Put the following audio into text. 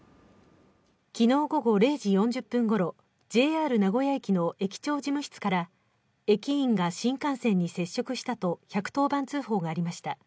昨日午後０時４０分ごろ、ＪＲ名古屋駅の駅長事務室から駅員が新幹線に接触したと１１０番通報がありました。